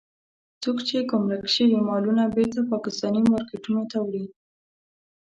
څوک يې ګمرک شوي مالونه بېرته پاکستاني مارکېټونو ته وړي.